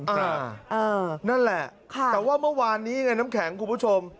นั่นแหละค่ะแต่ว่าเมื่อวานนี้ไงน้ำแข็งคุณผู้ชม